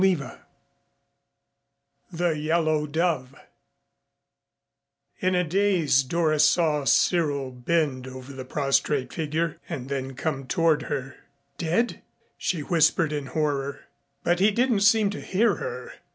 CHAPTER X THE YELLOW DOVE In a daze Doris saw Cyril bend over the prostrate figure and then come toward her. "Dead?" she whispered in horror. But he didn't seem to hear her.